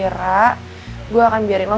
kira kira gue akan biarin lo